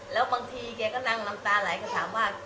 แล้วบางทีแกก็นั่งน้ำตาไหลก็ถามว่า